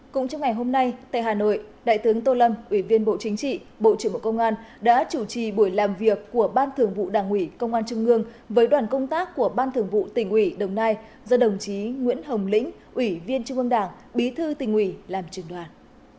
cũng trong ngày hôm nay tại hà nội đại tướng tô lâm ủy viên bộ chính trị bộ trưởng bộ công an đã chủ trì buổi làm việc của ban thường vụ đảng ủy công an trung ương với đoàn công tác của ban thường vụ tỉnh ủy đồng nai do đồng chí nguyễn hồng lĩnh ủy viên trung ương đảng bí thư tỉnh ủy làm trường đoàn